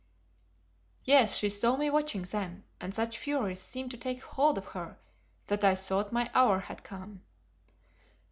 Yes, she saw me watching them, and such fury seemed to take hold of her that I thought my hour had come.